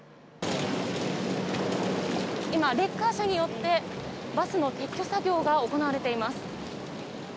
今、レッカー車によってバスの撤去作業が行われています。